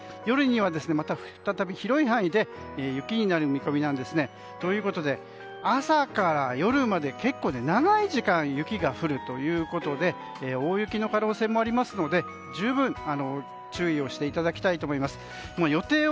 夜には、また再び広い範囲で雪になる見込みなんですね。ということで朝から夜まで結構長い時間雪が降るということで大雪の可能性もありますので十分、注意をしていただきたいと思います。